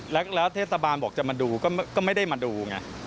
แล้วเทศบาลบอกจะมาดูก็ไม่ได้มาดูไง